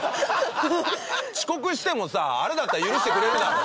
遅刻してもさあれだったら許してくれるだろ。